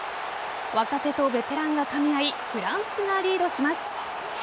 若手とベテランがかみ合いフランスがリードします。